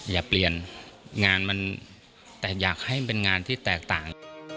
อย่าเปลี่ยนงานมันแต่อยากให้มันเป็นงานที่แตกต่าง